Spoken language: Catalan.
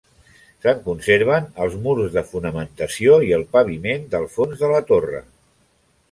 Se'n conserven els murs de fonamentació i el paviment del fons de la torre.